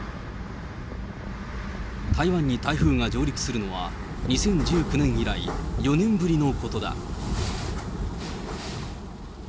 台湾に台風が上陸するのは、２０１９年以来、４年ぶりのことだ。